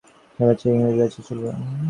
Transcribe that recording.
মুসলমান বাঁচিয়ে, ইংরেজ বাঁচিয়ে চলব।